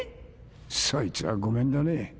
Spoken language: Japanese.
そいつはごめんだね。